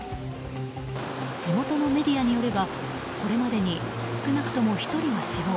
地元のメディアによればこれまでに少なくとも１人が死亡。